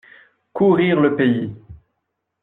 Courir le pays.